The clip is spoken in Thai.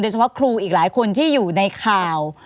เฉพาะครูอีกหลายคนที่อยู่ในข่าว